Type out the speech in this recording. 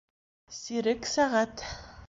Сирек сәғәт